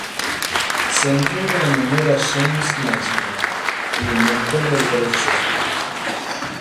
Se entrega en honor a James Naismith, el inventor del baloncesto.